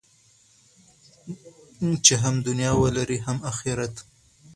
چې هم دنیا ولرئ هم اخرت.